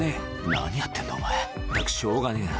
「何やってんだお前ったくしょうがねえな」